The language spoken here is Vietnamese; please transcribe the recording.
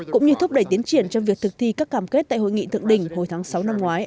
cũng như thúc đẩy tiến triển trong việc thực thi các cam kết tại hội nghị thượng đỉnh hồi tháng sáu năm ngoái